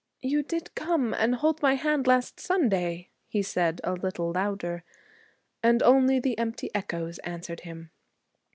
'You did come and hold my hand last Sunday,' he said, a little louder. And only the empty echoes answered him.